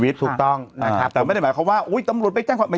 ยังไงยังไงยังไงยังไง